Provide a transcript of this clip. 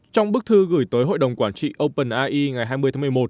trong bức thư gửi tới hội đồng quản trị openre ngày hai mươi tháng một mươi một